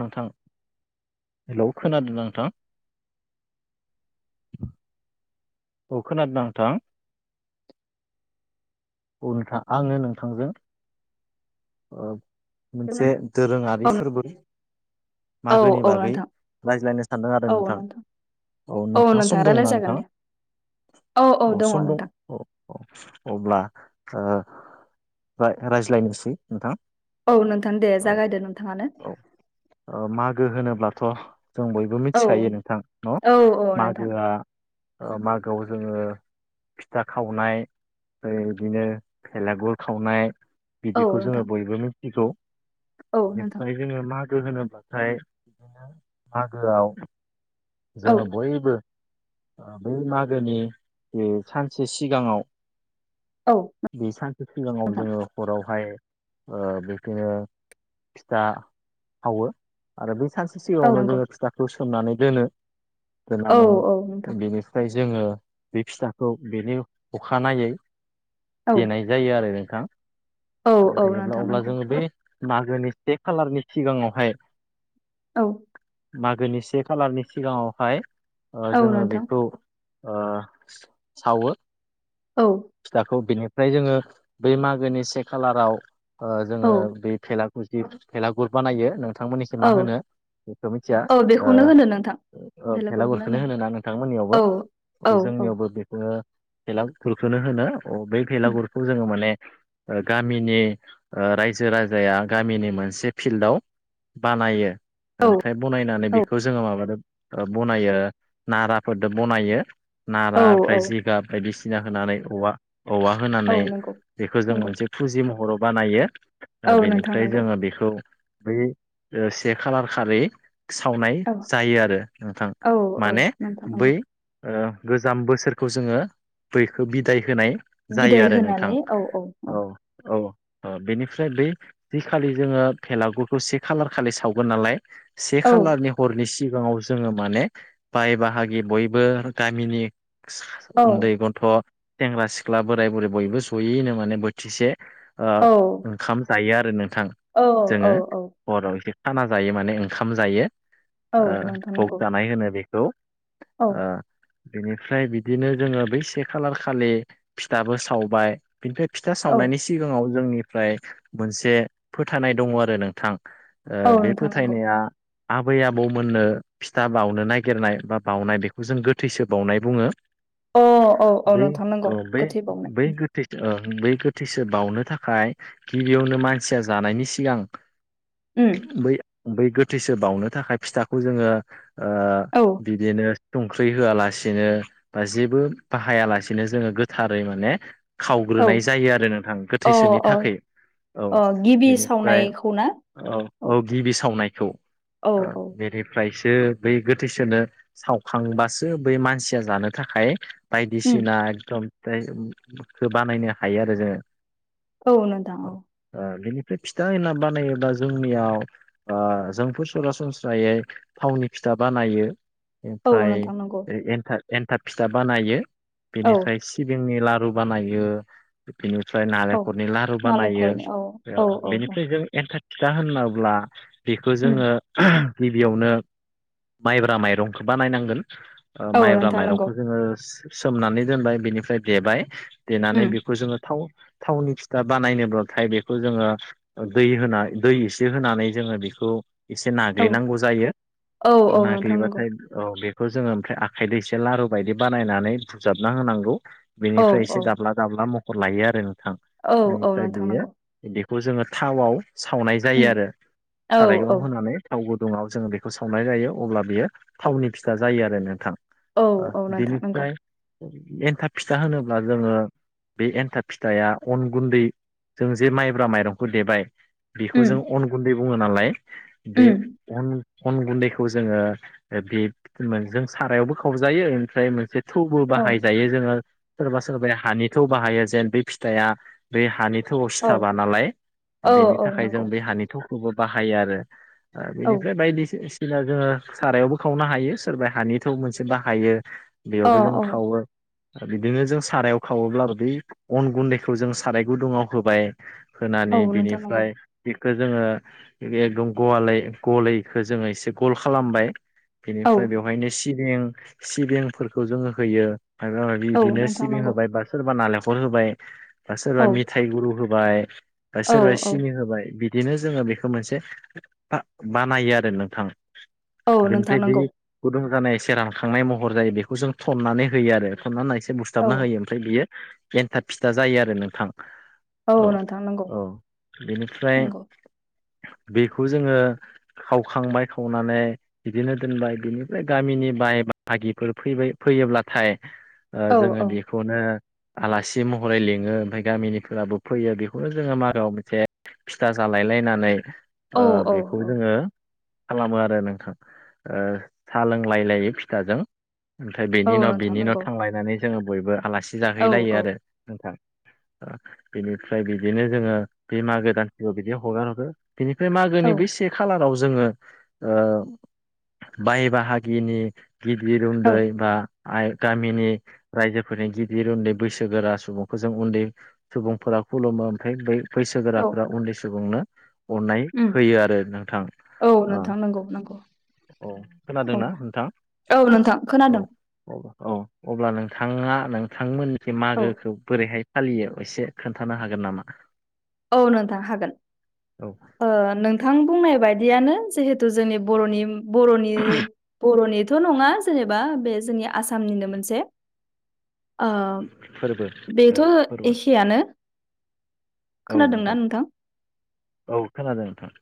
नोंथां हेलौ खोनादों नोंथां। अ' खोनादोंना नांथां? औ नोंथा आङो नोंथांजों ओ मोनसे औ दोरोङारि फोरबो औ मागोनि औ बागै नोंथां रायज्लायनो सानदों आरो नोंथां। औ नोंथाङा नोंथां सम दङ रायलाय ना जागोन नोंथां? दे औ औ दङ नोंथां। अ-अ-अब्ला ओ राय-रायज्लायनोसै नोंथां। औ नोंथां दे औ जागायदो नोंथाङानो। औ ओ मागो होनोब्लाथ' जों बय बो औ मिथिखायो नोंथां न औ औ नोंथां मागोआ ओ मागोआव जोङो फिथा खावनाय ओरै बिदिनो भेलागुर खावनाय औ खौ जोङो नोंथां बयबो मिथिगौ औ नोंथां बेनिफ्राय जोङो मागो होनोब्लाथाय बिदिनो मागोआव औ जोङो बयबो ओ बै मागोनि जे सानसे सिगाङाव औ बे सानसे सिगाङाव नोंथां जोङो हरावहाय ओ बेदिनो फिथा सावो। आरो बै सानसे औ सिगाङावनो नंगौ जोङो फिथाखौ सोमनानै दोनो। औ औ नोंथां दोननानै बेनि फ्राय जोङो बे फिथाखौ बेनि अखानायै औ देनाय जायो आरो नोंथां। औ देयोब्ला अब्ला जोङो बे मागोनि से खालारनि सिगाङावहाय औ मागोनि से खालारनि सिगाङावहाय ओ औ जोङो नोंथां बेखौ ओ सावो। औ फिथाखौ बिनिफ्राय जोङो बै मागोनि से खालाराव ओ औ जोङो बे भेलागु जि भेलागुर बानायो नोंथांमोननिथिं औ मा होनो बेखौ मिथिया औ ओ बेखौनो होनो नोंथां ओ ओ बेलेगफोरखौनो होना भेलागुरखौनो होनो ना औ नोंथांमोननियावबो औ जोंनियावबो बेखौनो भेलागुरखौनो होनो अ बै भेलागुरखौ जोङो माने ओ गामिनि ओ रायजो राजाया गामिनि मोनसे फिल्डआव बानायो। ओमफ्राय बनायनानै बेखौ जोङो माबादो ओ बनायो नाराफोरदो बनायो। औ नारा औ ओमफ्राय जिगाब बायदिसिना होनानै औवा औवा औ होनानै नंगौ बेखौ जों नंगौ मोन थुजि महराव बानायो ओ औ नोंथां बेनिफ्राय नंगौ जोङो बेखौ बै ओ से खालार खालि सावनाय औ जायो आरो नोंथां औ औ माने नोंथां नंगौ बै ओ गोजाम बोसोरखौ जोङो बैखौ बिदाय होनाय जायो बिदाय आरो नोंथां होनानै औ औ औ। औ ओ बेनिफ्राय बै जि खालि जोङो भेलागुरखौ से खालार खालि सावगोन नालाय से औ खालारनि हरनि सिगाङाव जोङो माने बाय बाहागि बयबो गामिनि उन्दै गथ', थेंग्रा सिख्ला, बोराय बुरै बयबो सयैनो माने बो थिसे ओ औ ओंखाम जायो आरो नोंथां। औ औ जोङो औ। हराव एसे खाना जायो माने ओंखाम जायो औ ओ नोंथां फग नंगौ जानाय होनो बेख खौ औ ओ बेनिफ्राय बिदिनो जोङो बै से खालार खालि फिथाबो सावबाय बिनिफ्राय फिथा औ सावनायनि सिगाङाव जोंनिफ्राय मोनसे फोथानाय दङ आरो नोंथां। औ ओ बे नोंथां नंगौ फोथायनाया आबै आबौमोननो फिथा बावनो नागिरनाय बा बाउनाय बेखौ जों गोथैसो बावनाय बुङो। अ औ औ बै नोंथां नंगौ औ बै गोथै बावनाय बै गोथैसो ओ बै गोथैसो बावनो थाखाय गिबियावनो मानसिया जानायनि सिगां उम बै बै गोथैसो बावनो थाखाय फिथाखौ जोंङो ओ औ बिदिनो सुंख्रै होआलासेनो बा जेबो बाहायालासेनो जोंङो गोथारै माने खाव औ ग्रोनाय जायो आरो नोंथां अ गोथैसोनि अ थाखाय औ अ गिबि बिनिफ्राय सावनायखौ ना औ औ गिबि सावनायखौ औ ओ औ बे फ्रायसो बै गोथैसोनो सावखांबासो बै मानसिया जानो थाखाय उम बायदिसिना एकदम फ्राय खोबानायनो हायो आरो जोंङो औ नोंथां औ ओ बेनिफ्राय फिथा एना बानायोबा जोंनियाव ओ जोंफो सरासनस्रायै थावनि फिथा बानायो औ ओमफ्राय नोंथां नंगौ एनथा एन्थाब फिथा बानायो औ बेनिफ्राय सिबिंनि लारु बानायो बेनिफ्राय औ नालेंखलनि लारु बानायो नालेंखरनि औ औ औ औ बेनिफ्राय जों एन फिथा होनोब्ला बेखौ उम जोंङो गिबियावनो माइब्रा माइरंखौ बानायनांगोन ओ औ माइब्रा नोंथां नंगौ माइरंखौ जोंङो सोमनानै दोनबाय बिनिफ्राय देबाय देनानै उम बेखौ जोंङो थाव थावनि फिथा बानायनोब्लाथाय बेखौ जोंङो दै होना दै एसे होनानै जोंङो बेखौ एसे औ नाग्लिनांगौ औ जायो औ नोंथां नंगौ नाग्लिबाथाय बेखौ जोंङो ओमफ्राय आखाइ दैसे लारु बायदि बानायनानै बुजाबना होनांगौ। औ बेनिफ्राय औ एसे दाब्ला दाब्ला महर लायो आरो नोंथां औ औ बेनिफ्राय नोंथां बेयो नंगौ बेखौ जोंङो थावाव सावनाय जायो उम आरो औ औ सारायखौ होनानै थाव गुदुङाव जोंङो बेखौ संनाय जायो अब्ला बियो थावनि फिथा जायो आरो नोंथां। औ ओ औ नोंथां नंगौ बेनिफ्राय एन्थाब फिथा होनोब्ला जोंङो बे एन्थाब फिथाइा अन गुन्दै जों जे माइब्रा माइरंखौ देबाय बेखौ उम जों अन गुन्दै बुङो नालाय बे उम अन अन गुन्दैखौ जोंङो बे नोंजों सारायावबो खावजायो ओमफ्राय मोनसे थौबो औ बाहायजायो जोंङो सोरबा सोरबाया हानि थौ बाहायो जेन बै फिथाइआ बे हानि थौआव औ सिथाबा नालाय औ बेनि औ थाखाय नंगौ जों बे हानि थौखौबो बाहायो आरो ओ औ बेनिफ्राय बायदिसो जोंङो सारायावबो खावनो हायो सोरबा हानिथौ मोनसे बाहायो। अ बेयावबो जों औ खावो बिदिनो जों सारायावबो खावोब्ला बै अन गुन्दैखौ जों साराय गुदुङाव होबाय औ होनानै नोंथां नंगौ बिनिफ्राय बेखौ जोंङो एकदम गवालै गलै जोंङो एसे गल खालामबाय। औ बेनिफ्राय बेवहायनो सिबिं सिबिंफोरखौ जोंङो होयो। माबा माबि औ बिदिनो नोंथां सिबिं नंगौ होबाय बा सोरबा नालेंखर होबाय बा औ सोरबा मि थाइ गुरु होबाय बा औ सोरबा औ सिनि होबाय बि बिदिनो जोङो बेखौ मोनसे था बानायो आरो नोंथां। औ नोंथां बेनिफ्राय बे नंगौ गुदुं जानाय एसे रानखांनाय महर जायो बेखौ जों थन्नानै होयो आरो थननानै एसे औ बुसथाबना होयो ओमफ्राय बियो एन्थाब फिथा जायो आरो नोंथां। औ नोंथां नंगौ औ बेनिफ्राय नंगौ बेखौ जोंङो खावखांबाय खावनानै बिदिनो दोनबाय बिनिफ्राय गामिनि बाय बाहागिफोर फैबाय फैयोब्लाथाय ओ औ जोंङो औ बेखौनो आलासि महरै लिङो ओमफ्राय गामिनिफोराबो फैयो बेखौनो जोंङो मागोआव मोनसे फिथा जालायलायनानै ओ औ औ बेखौ औ जोंङो खालामो आरो नोंथां ओ सा लोंलाय लायै फिथाजों। ओमफ्राय औ बेनि न' नोंथां बिनि न' नंगौ थांलायनानै जोंङो बयबो आलासि औ जाहैलायो आरो नोंथां। ओ बेनिफ्राय बिदिनो जोङो बे मागो दानसेखो बिदिनो हगारहरो। बेनिफ्राय औ मागोनि बेै से खालाराव जोङो ओ बाय बाहागिनि गिदिर उन्दै बा गामिनि रायजोफोरनि गि दिर उन्दै बैसोगोरा सुबुंखौ जों उन्दै सुबुंफोरा खुलुमो ओमफ्राय बै औ बैसोगोराफ उन्दै सुबुंनो अननाय होयो आरो नोंथां अ नांगौ नांगौ। औ खोनादोंना औ नोंथां नोंथाङां औ खोनादों औ। औ अब्ला नोंथाङा नोंथांमोननि जे औ मागोखौ बोरैहाय एसे खोन्थानो हागोन नामा? औ नोंथां हागोन। औ ओ- नोंथां बुंनाय बायदियानो जिहेथु जोंनि बरनि बर'नि बर'नि थ' नङा जेनेबा बे जोंनि आसामनिनो मोनसे ओम फोरबो बेथ' फोरबो एखेयानो औ नोंथां औ खोनादों नोंथां।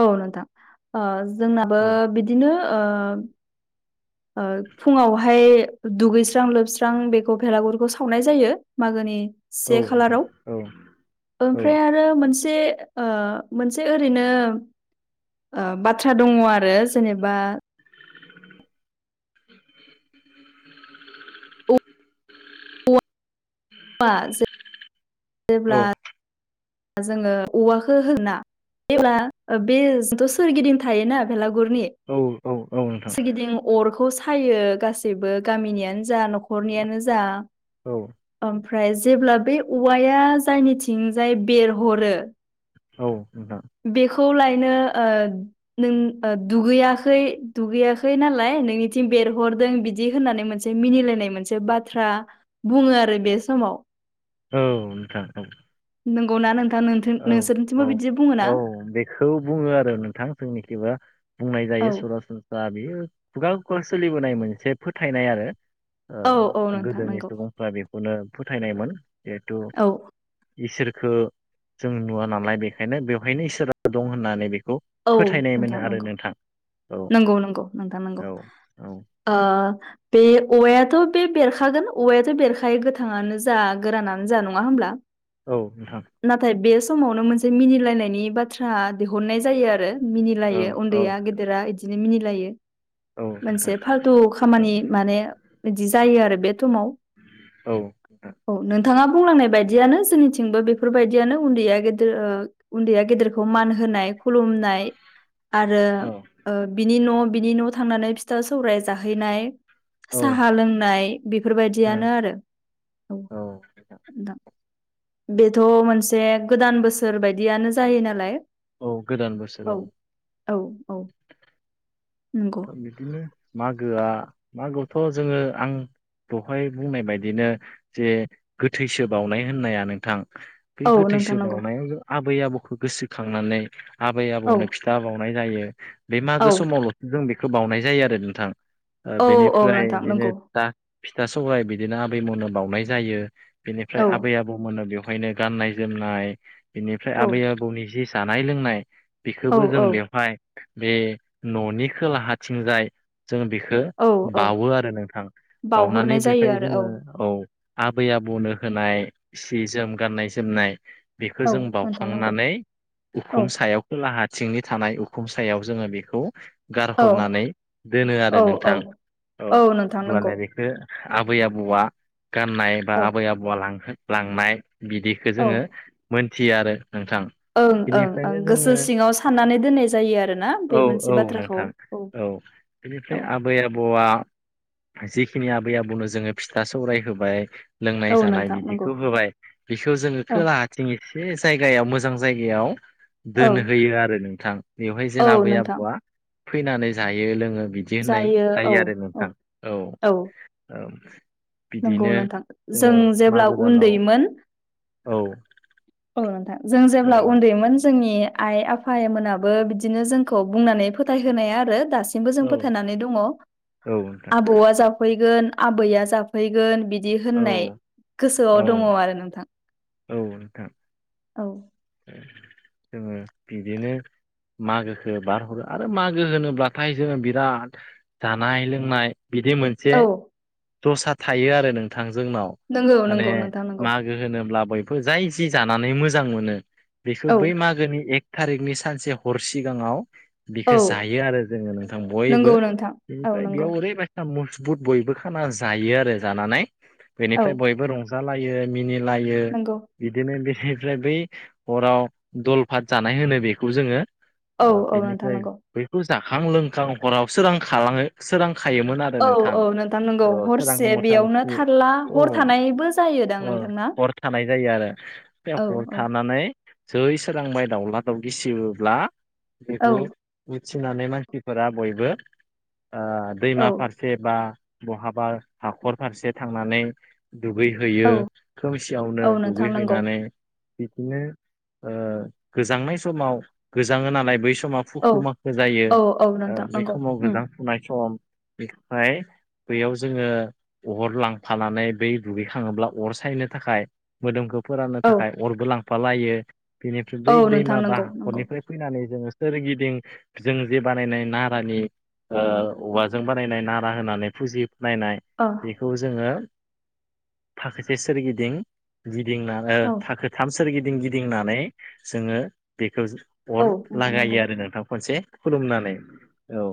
औ नोंथां ओ- जोंनाबो औ बिदिनो ओ- फुङावहाय दुगैस्रां लोबस्रां बेखौ भेलागुरखौ सावनाय जायो मागोनि औ से नोंथां खालाराव औ औ ओमफ्राय आरो मोनसे ओ- मोनसे ओरैनो ओ- बाथ्रा दङ आरो जेनेबा उम जेब्ला जोंङो औवाखौ होना [unintelligible] बे जिथु सोरगिदिं थायोना बेलागुरनि औ औ नोंथां सोरगिदिं अरखौ सायो गासैबो गामिनियानो जा न'खरनियानो जा। औ ओमफ्राय जेब्ला बे औवाया जायनिथिंजाय बेरहरो औ नोंथां बेखौ लायनो ओ नों ओ दुगैयाखै दुगैयाखै नालाय नोंनिथिं बेरहरदों बिदि होननानै मोनस मोनसे मिनिलायनाय मोनसे बाथ्रा बुङो आरो बे समाव औ नोंथां औ। नंगौ ना नोंथां औ नोंसोरनिथिंबो औ बिदि बुङो ना औ बेखौ बुङो आरो नोंथां जोंनिखिबा बुंनाय औ जायो सरासन बेयो खुगा खुगा सोलिबोनाय मोनसे फोथायनाय आरो औ गोदोनि सुबुंफोरा बेखौ खौनो फोथायनायमोन जिहेथु औ इसोरखो जों नुवा नालाय बेखायनो बेवहायनो इसोरा दं होननानै बेखौ औ फोथायनाय मोनो नोंथां आरो नगौ नोंथां औ नंगौ नंगौ नोंथां नंगौ औ औ ओ बे औवायाथ' बे बेरखागोन औवायाथ' बेरखायो गोथाङानो जा गोरानानो जा नङा होमब्ला औ नोंथां नाथाय बे समावनो मोनसे मिनिलायनायनि बाथ्रा दिहुननाय जायो आरो औ मिनिलायो औ उनदैया गेदेरा इदिनो मिनिलायो औ नोंथां मोनसे फालथु औ खामानि माने बिदि जायो आरो बे समाव औ नोंथां औ नोंथाङा बुंलांनाय बायदियानो जोंनिथिंबो बेफोरबायदियानो उन्दैया गेदेर ओ उन्दैया गेदेरखौ मान होनाय खुलुमनाय आरो औ ओ- बिनि न' बिनि न' थांनानै फिथा सौराय जाहैनाय औ साहा लोंनाय बेफोरबायदियानो आरो औ। नोंथां बेथ' मोनसे गोदान बोसोर बायदियानो जायो नालाय। औ गोदान बोसोर औ। औ औ उम। बिदिनो मागोआ मागोआवथ' जोङो आं दहाय बुंनाय बायदिनो जे गोथैसो बावनाय होननाया नोंथां बे औ नोंथां गोथैसो नंगौ बावनायाव जों आबै आबौखौ गोसोखांनानै आबै औ आबौनो फि दा बावनाय जायो बे औ मागो समावल'सो जों बेखौ बावनाय जायो आरो नोंथां ओ औ औ बेनिफ्राय नोंथां नंगौ बिदिनोा फिथा सौराइ बिदिनो आबैमोननो बावनाय जायो। बेनिफ्राय औ आबै आबौमोननो बेवहायनो गाननाय जोमनाय बेनिफ्राय औ आबै आबौनि जि जानाय लोंनाय औ बेखौबो जों औ बेवहाय बे न'नि खोलाहााथिंजाय। जोङो बेखौ औ औ बावो आरो नोंथां बावनानै बावहरनाय जायो बेहाय आरो जोङो औ आबै आबौनो होनाय सि जोम गाननाय जोमनाय बेखौ औ जों नोंथां नंगौ बाउखांनानै औ उखुम सायाव खोलाहााथिंनि थानाय उखुम सायाव जोङो बेखौ औ गारहरनानै दोनो आरो औ औ नोंथां औ नोंथां नंगौ अब्लाने बेखौ आबै आबौआ गाननाय बा औ आबै आबौआ लांहो लांनाय बिदि औ जोङो मोनथियो आरो नोंथां ओं ओं ओं बेनिफ्रायनो गोसो जोङो सिंङाव साननानै दोननाय जायो आरोना बे मोनसे बाथ्राखौ थां औ बेनिफ्राय औ आबै आबौआ जिखिनि आबै आबौनो जोङो फिथा सौराय होबाय औ लोंनाय-जानाय नोंथां नंगौ बिदिखौ होबाय बिखौ जोंङो औ खोलाहा थिं एसे जायगायाव मोजां जायगायाव औ दोनहोयो आरो नोंथां। बेवहाय जों औ आबै नोंथां आबौआ फैनानै जायो लोङो बिदि होननाय औ जायो आरो औ नोंथां औ औ नंगौ बिदिनो नोंथां जों जोङो जेब्ला मागो दानाव उन्दैमोन औ औ नोंथां जों औ जेब्ला उन्दैमोन जोंनि आइ आफा मोनाबो बिदिनो जोंखौ बुंनानै फोथाय होनोनाया आरो दासिम बिखौ जों औ फोथायनानै दंङ औ नोंथां आबौआ जाफैगोन आबैआ जाफैगोन बि बिदि औ होननाय औ गोसोआव दङ आरो नोंथां औ नोंथां औ जोङो बिदिनो मागोखौ बारहरो आरो मागो होनोब्लाथाय जोङो बिराद जानाय लोंनाय बिदि मोन एसे औ दसारा थायो आरो नोंथां जोंनाव नंगौ माने नंगौ नोंथां नंगौ मा मागो होनोब्ला बैफोर जाय जि जानानै मोजां मोनो बेखौ औ बै मागोनि एक थारिखनि सानसे हर सिगाङाव बेखौ औ जायो आरो जोङो नोंथां बयबो नंगौ नोंथां औ बेनिफ्राय नंगौ बेयाव ओरैबायदि मजबुत बयबो खाना जायो आरो जानानै औ बेनिफ्राय बयबो रंज जालायो मिनिलायो नंगौ बिदिनो बेनिफ्राय बै हराव दलफात जानाय होनो बेखौ जोङो औ ओ- औ नोंथां बेनिफ्राय नंगौ बै खौ जाखां लोंखां हराव सोरां खालाङो सोरां खायोमोन आर ओ औ नोंथां औ नंगौ औ हरसे सोरांखौ मथा बेयावनो मथि थारला उ हर थानायबो जायोदां अ नोंथांना [unintelligible] थानाय जायो आरो बे औ हर औ थानानै जै सोरां माइ दाउला दाउ गिसिबोब्ला औ बेखौ उथिनानै मानसिफोरा बयबो औ ओ-दैमा फारसे फारसे बा बहाबा हाखर फारसे थांनानै औ दुगैहैयो खोमसियावनो औ नोंथां नंगौ दुगैहैनानै बिदिनो ओ गोजांनाय समाव गोजांङो नालाय बै समाव औ फुखु माखो जायो औ औ ओ- नोंथां बे नंगौ समाव उम गोजां फुनाय सम बेफ्राय बैयाव जोङो अर लांफानानै बै दुगैखाङोब्ला अर सायनो थाखाय मोदोमखौ फोराननो औ थाखाय अरबो लांफालायो बेनिफ्राय औ बै नोंथां दैमा बा नंगौ नंगौ हाखरनिफ्राय फैनानै जोङो सोरगिदिं जों जे बानायनाय नारानि ओ औवाजों बानायनाय नारा होनानै फुजि [unintelligible] नायनाय अ बिखौ जोङो फाखोसे सोरगिदिं गिदिंना ओ औ फाखो थाम सोर गिदिं गिदिंनानै जोङो बेखौ औ अर नोंथां नंगौ लागायो आरो नोंथां खनसे खुलुमनानै औ।